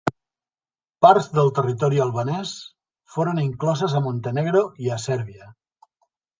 Parts del territori albanès foren incloses a Montenegro i a Sèrbia.